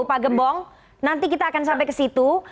pak gembong nanti kita akan sampai ke situ